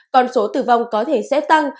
còn số tử vong có thể sẽ tăng